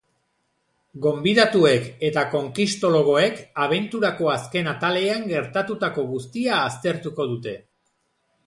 Gonbidatuek eta conquistologoek abenturako azken atalean gertatutako guztia aztertuko dute.